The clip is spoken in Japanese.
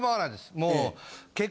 もう。